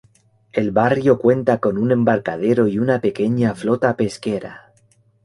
El barrio cuenta con un embarcadero y una pequeña flota pesquera.